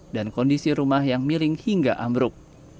dan kondisi rumah yang miling hingga ambruk